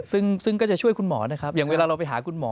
ซึ่งก็จะช่วยคุณหมอนะครับอย่างเวลาเราไปหาคุณหมอ